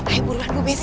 ayo buruan gue besi